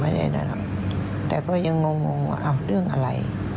ไม่ได้สลบแต่ก็ยังงงว่าอ้าวเรื่องอะไร